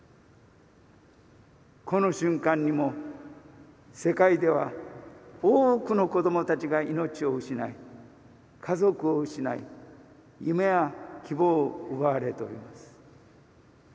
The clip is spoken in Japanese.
この瞬間にも世界では多くの子どもたちが命を失い家族を失い夢や希望を奪われております。